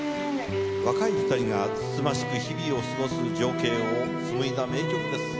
若い２人がつつましく日々を過ごす情景を紡いだ名曲です。